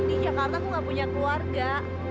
di jakarta aku gak punya keluarga